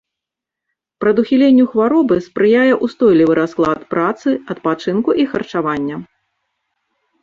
Прадухіленню хваробы спрыяе ўстойлівы расклад працы, адпачынку і харчавання.